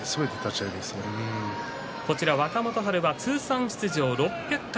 若元春は通算出場６００回